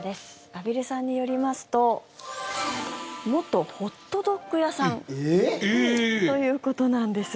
畔蒜さんによりますと元ホットドッグ屋さんということなんです。